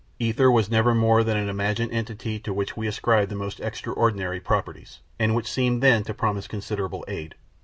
Ether was never more than an imagined entity to which we ascribed the most extraordinary properties, and which seemed then to promise considerable aid.